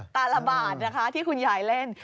ตาระบาดนะคะที่คุณยายเล่น